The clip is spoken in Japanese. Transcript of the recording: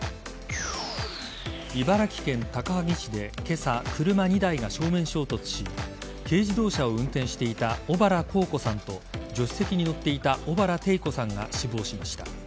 茨城県高萩市で今朝車２台が正面衝突し軽自動車を運転していた小原幸子さんと助手席に乗っていた小原テイ子さんが死亡しました。